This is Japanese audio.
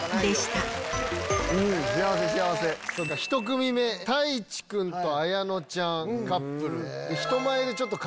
１組目たいちくんとあやのちゃんカップル。